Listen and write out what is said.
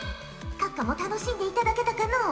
閣下も楽しんでいただけたかのう？